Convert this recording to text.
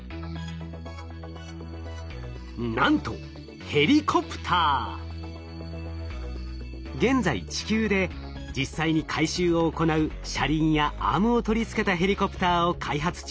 なんと現在地球で実際に回収を行う車輪やアームを取り付けたヘリコプターを開発中。